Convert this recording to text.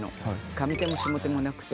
上手も下手もなくて。